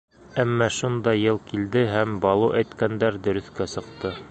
Әммә шундай йыл килде һәм Балу әйткәндәр дөрөҫкә сыҡты.